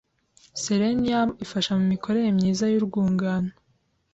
Selenium, ifasha mu mikorere myiza y’urwungano